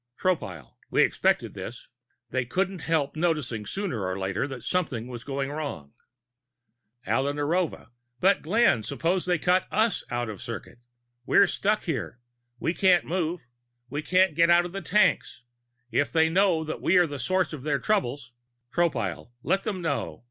Tropile: "We expected this. They couldn't help noticing sooner or later that something was going wrong." Alla Narova: "But, Glenn, suppose they cut us out of circuit? We're stuck here. We can't move. We can't get out of the tanks. If they know that we are the source of their trouble " Tropile: "Let them know!